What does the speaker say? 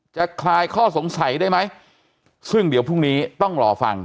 คลายข้อสงสัยได้ไหมซึ่งเดี๋ยวพรุ่งนี้ต้องรอฟัง